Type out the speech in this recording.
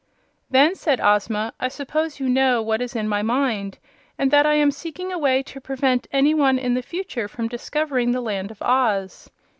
"Then," said Ozma, "I suppose you know what is in my mind, and that I am seeking a way to prevent any one in the future from discovering the Land of Oz."